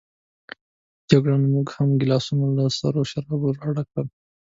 جګړن هم زموږ ګیلاسونه له سرو شرابو راډک کړل.